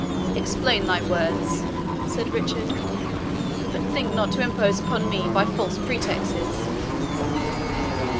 "Explain thy words," said Richard; "but think not to impose upon me by false pretexts."